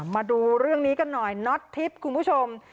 มาดูเรื่องนี้กันหน่อยคุณผู้ชม